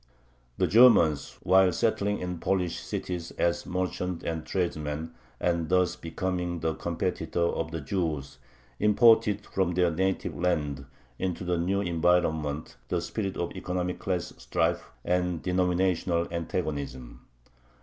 The Germans, while settling in the Polish cities as merchants and tradesmen, and thus becoming the competitors of the Jews, imported from their native land into the new environment the spirit of economic class strife and denominational antagonism.